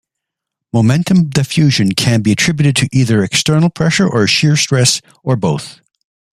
Momentum diffusion can be attributed to either external pressure or shear stress or both.